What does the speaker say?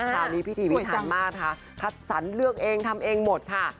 ตอนนี้พี่ติมีทานมากค่ะสันเลือกเองทำเองหมดค่ะ